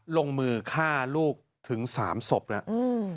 ลงมือฆ่าลูกถึง๓ศพแล้ว